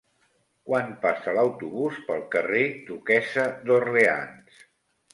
Quan passa l'autobús pel carrer Duquessa d'Orleans?